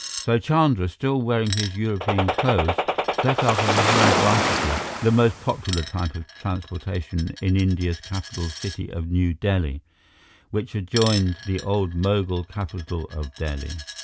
So Chandra, still wearing his European clothes, set out on a hired bicycle, the most popular type of transportation in India's capital city of New Delhi, which adjoined the old Mogul capital of Delhi.